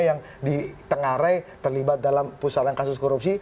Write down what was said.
yang di tengah rai terlibat dalam pusaran kasus korupsi